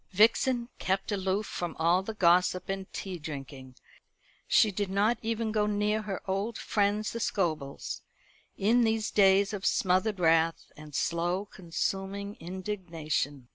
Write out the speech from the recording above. Vixen kept aloof from all the gossip and tea drinking. She did not even go near her old friends the Scobels, in these days of smothered wrath and slow consuming indignation.